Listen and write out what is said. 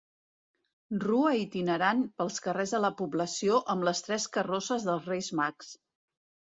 Rua itinerant pels carrers de la població amb les tres carrosses dels Reis Mags.